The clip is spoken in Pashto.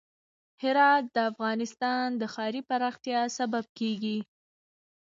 هرات د افغانستان د ښاري پراختیا سبب کېږي.